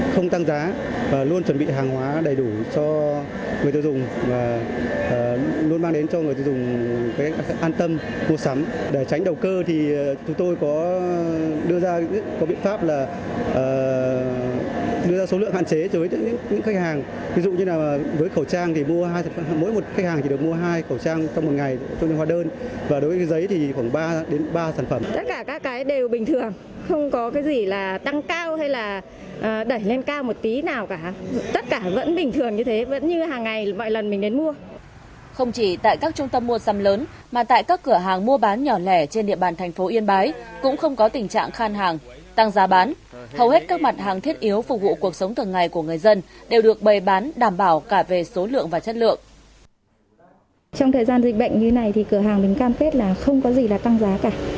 trong thời gian dịch bệnh như này thì cửa hàng mình cam kết là không có gì là tăng giá cả